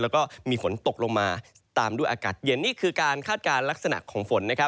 แล้วก็มีฝนตกลงมาตามด้วยอากาศเย็นนี่คือการคาดการณ์ลักษณะของฝน